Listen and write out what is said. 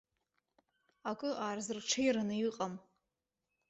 Акы аарзырҽеираны иҟам.